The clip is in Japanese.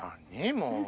もう。